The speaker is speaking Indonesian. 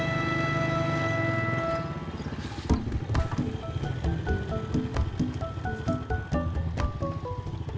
nih bang kamu mau ke rumah